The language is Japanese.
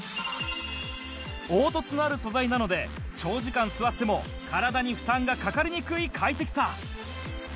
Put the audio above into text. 凹凸のある素材なので長時間座っても体に負担がかかりにくい快適さ